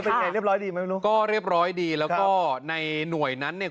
เป็นไงเรียบร้อยดีไม่รู้ก็เรียบร้อยดีแล้วก็ในหน่วยนั้นเนี่ย